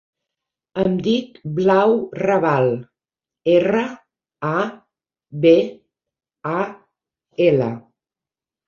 Em dic Blau Rabal: erra, a, be, a, ela.